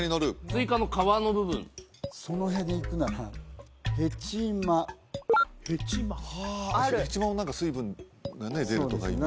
スイカの皮の部分その辺でいくならヘチマヘチマはあヘチマも水分がね出るとかいいます